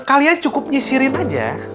kalian cukup nyisirin aja